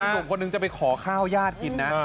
ถึงคุณหนึ่งจะไปขอข้าวญาติกินนะ